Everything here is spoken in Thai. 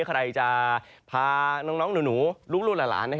ใครจะพาน้องหนูลูกหลาน